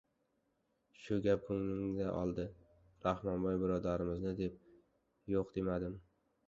Shu gap ko‘nglimni oldi! Rahmonboy birodarimizni deb, yo‘q demadim.